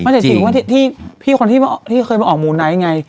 มันจะถือว่าที่คนที่เคยเอาออกมูน์ไนต์